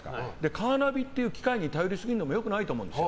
カーナビっていう機械に頼りすぎるのも良くないと思うんです。